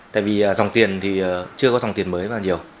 tại vì dòng tiền thì chưa có dòng tiền mới bao nhiêu